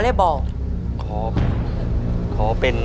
ครับผม